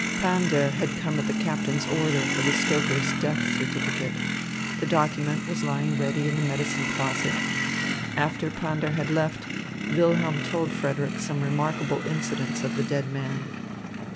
Pander had come at the captain's order for the stoker's death certificate. The document was lying ready in the medicine closet. After Pander had left, Wilhelm told Frederick some remarkable incidents of the dead man.